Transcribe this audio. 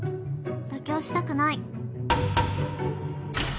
妥協したくない。